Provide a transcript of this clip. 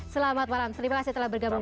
selamat malam terima kasih telah bergabung